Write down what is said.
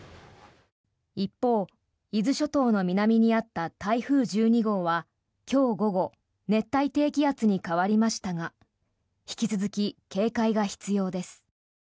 一方、伊豆諸島の南にあった台風１２号は今日午後熱帯低気圧に変わりましたが引き続き警戒が必要です。